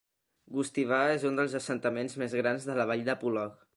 Gostivar és un dels assentaments més grans de la vall de Polog.